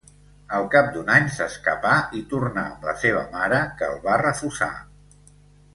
Al cap d'un any s'escapà i tornà amb la seva mare, que el va refusar.